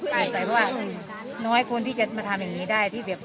แต่ว่าน้อยคนที่จะมาทำอย่างนี้ได้